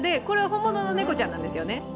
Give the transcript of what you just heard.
これは本物の猫ちゃんなんですよね。